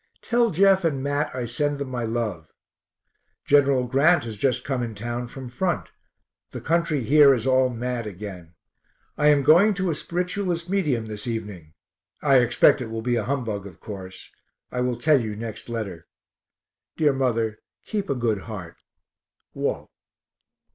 Tell Jeff and Mat I send them my love. Gen. Grant has just come in town from front. The country here is all mad again. I am going to a spiritualist medium this evening I expect it will be a humbug, of course. I will tell you next letter. Dear mother, keep a good heart. WALT.